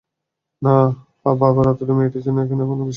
নাহ, বাবার আদুরে মেয়েটির জন্য এখানে কোনো বিশেষ কাজের সহকারী নেই।